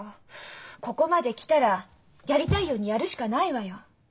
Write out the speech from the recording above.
ここまで来たらやりたいようにやるしかないわよ。